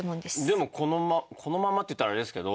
でもこのままこのままって言ったらあれですけど。